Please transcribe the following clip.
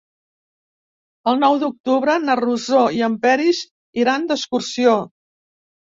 El nou d'octubre na Rosó i en Peris iran d'excursió.